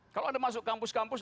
kalau anda masuk kampus kampus